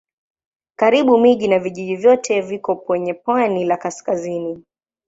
Karibu miji na vijiji vyote viko kwenye pwani la kaskazini.